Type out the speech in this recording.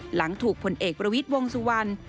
หลังถูกผลเอกบรวษวงศ์สุวรรณ